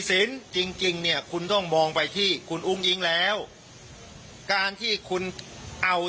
สินจริงจริงเนี่ยคุณต้องมองไปที่คุณอุ้งอิงแล้วการที่คุณเอา